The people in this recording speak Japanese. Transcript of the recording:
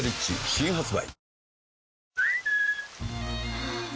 新発売